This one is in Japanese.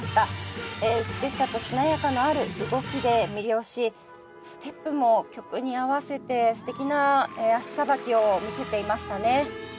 美しさとしなやかさのある動きで魅了しステップも曲に合わせて素敵な足さばきを見せていましたね。